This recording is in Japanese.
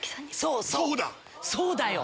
そうだよ！